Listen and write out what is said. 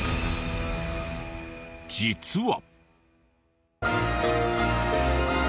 実は。